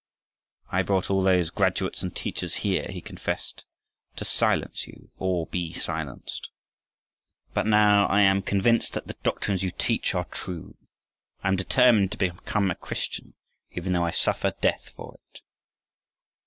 "I brought all those graduates and teachers here," he confessed, "to silence you or be silenced. And now I am convinced that the doctrines you teach are true. I am determined to become a Christian, even though I suffer death for it."